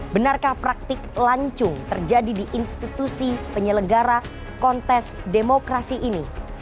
benarkah praktik lancung terjadi di institusi penyelenggara kontes demokrasi ini